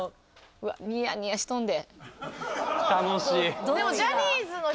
うわっニヤニヤしとんで。